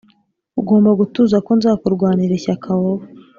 ugomba gutuza ko nzakurwanira ishyaka wowe